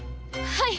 はい！